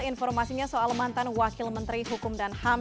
informasinya soal mantan wakil menteri hukum dan ham